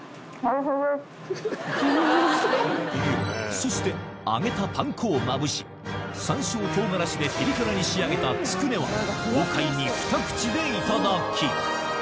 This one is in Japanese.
そして揚げたパン粉をまぶし山椒唐辛子でピリ辛に仕上げたつくねは豪快にふた口でいただき